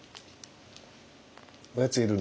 おやついるの？